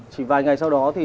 chỉ vài ngày sau đó thì